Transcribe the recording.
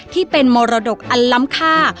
ที่เป็นมรดกอันล้ำค่า